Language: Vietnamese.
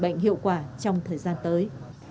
bệnh hiệu quả trong thời gian tới